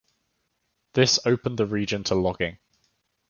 This opened the region to logging.